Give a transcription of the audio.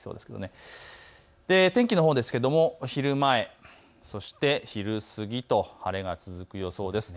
天気のほうですが昼前、そして昼過ぎと晴れが続く予想です。